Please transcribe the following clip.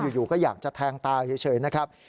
อยู่ก็อยากจะแทงตาเฉยนะครับ